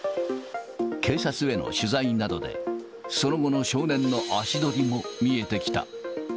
警察への取材などで、その後の少年の足取りも見えてきた。